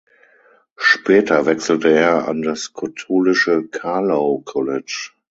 Später wechselte er an das katholische Carlow College.